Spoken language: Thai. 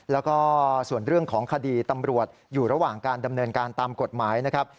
แล้วก็ส่วนเรื่องของคดีตำรวจอยู่ระหว่างการดำเนินการตามกฎหมายนะครับ